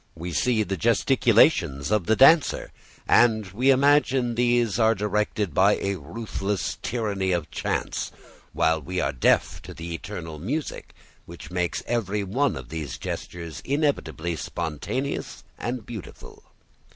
We see the gesticulations of the dancer, and we imagine these are directed by a ruthless tyranny of chance, while we are deaf to the eternal music which makes every one of these gestures inevitably spontaneous and beautiful.